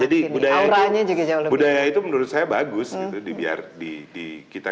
jadi budaya itu menurut saya bagus gitu